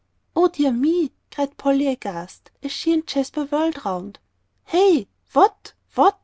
"O dear me!" cried Polly aghast, as she and Jasper whirled around. "Hey what what!"